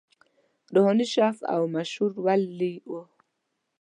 روحاني شخص او مشهور ولي و.